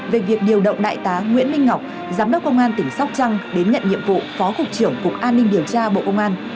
về việc điều động đại tá nguyễn minh ngọc giám đốc công an tỉnh sóc trăng đến nhận nhiệm vụ phó cục trưởng cục an ninh điều tra bộ công an